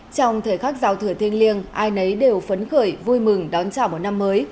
trong thời khắc giao thừa thiên liêng ai nấy đều phấn khởi vui mừng đón chào một năm mới